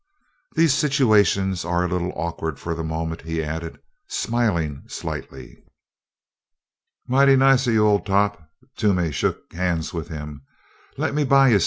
"These situations are a little awkward for the moment," he added, smiling slightly. "Mighty nice of you, Old Top!" Toomey shook hands with him. "Lemme buy you somethin'.